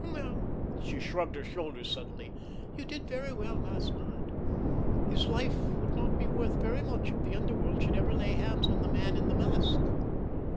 Well"—she shrugged her shoulders suddenly—"you did very well last night. His life would not be worth very much if the underworld should ever lay hands on the man in the mask.